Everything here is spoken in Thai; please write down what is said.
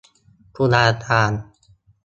ตุลาการ